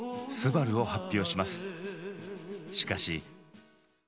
しかし。